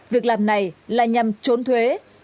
việc làm này là nhằm trốn thuế